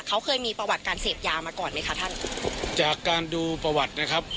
เขาเคยมีประวัติการเสพยามาก่อนไหมคะท่านจากการดูประวัตินะครับ